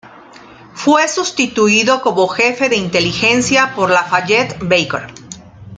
Fue sustituido como jefe de inteligencia por Lafayette Baker.